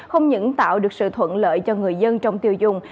không những tạo được sự thuận lợi cho người dân trong tiêu dùng